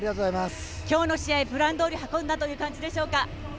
今日の試合、プランどおり運んだという感じでしょうか？